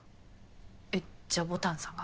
えっじゃあ牡丹さんが？